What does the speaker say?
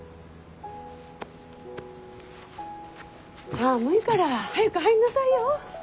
寒いから早く入んなさいよ。